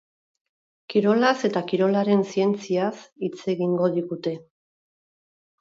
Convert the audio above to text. Kirolaz eta kirolaren zientziaz hitz egingo digute.